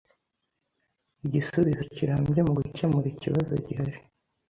igisubizo kirambye mu gukemura ikibazo gihari.